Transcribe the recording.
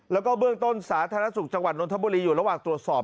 แล้วก็เบื้องต้นสาธารณสุขจังหวัดนทบุรีอยู่ระหว่างตรวจสอบ